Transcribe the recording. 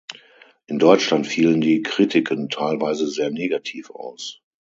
In Deutschland fielen die Kritiken teilweise sehr negativ aus.